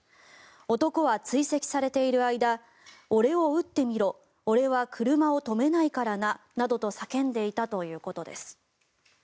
男は追跡されている間俺を撃ってみろ俺は車を止めないからななどと叫んでいたということです。